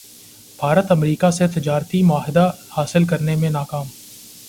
Bharat America سے تجارتی معاہدہ حاصل کرنے میں ناکام